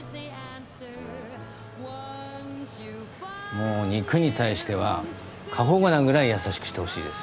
もう肉に対しては過保護なぐらいやさしくしてほしいです。